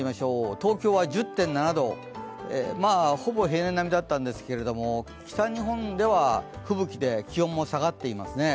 東京は１０．７度ほぼ平年並みだったんですけど北日本では吹雪で気温も下がっていますね。